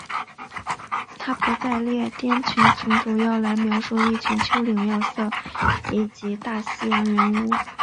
它在不列颠群岛主要用来描述一类丘陵要塞以及大西洋圆屋。